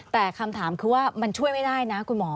แต่คำถามคือว่ามันช่วยไม่ได้นะคุณหมอ